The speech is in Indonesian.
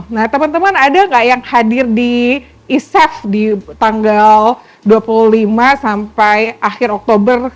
nah teman teman ada nggak yang hadir di isef di tanggal dua puluh lima sampai akhir oktober